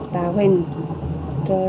tạo ra những sản phẩm này